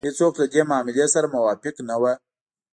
هېڅوک له دې معاملې سره موافق نه وو.